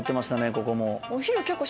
ここも。